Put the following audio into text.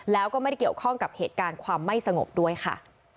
แล้วก็ไม่ได้เกี่ยวข้องกับเหตุการณ์ความไม่สงบด้วยค่ะ